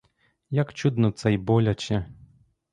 Як чудно це й боляче!